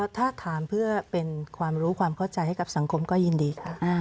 ถ้าถามเพื่อเป็นความรู้ความเข้าใจให้กับสังคมก็ยินดีค่ะ